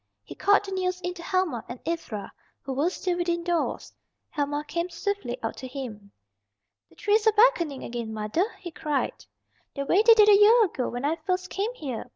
He called the news in to Helma and Ivra, who were still within doors. Helma came swiftly out to him. "The trees are beckoning again, mother," he cried. "The way they did a year ago when I first came here.